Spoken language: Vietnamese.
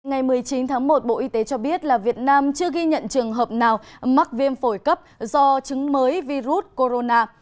ngày một mươi chín tháng một bộ y tế cho biết là việt nam chưa ghi nhận trường hợp nào mắc viêm phổi cấp do chứng mới virus corona